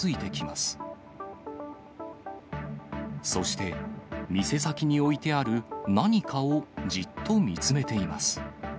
そして、店先に置いてある何かをじっと見つめています。